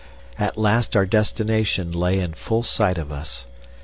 At last our destination lay in full sight of us.